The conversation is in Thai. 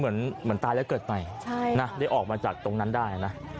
เหมือนตายแล้วเกิดไปได้ออกมาจากตรงนั้นได้นะ